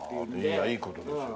いやいい事ですよ。